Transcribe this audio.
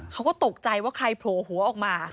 เขาก็ตกใจว่าใครโผล่หัวออกมา